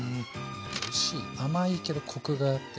おいしい甘いけどコクがあって。